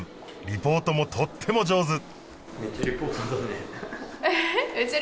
リポートもとっても上手！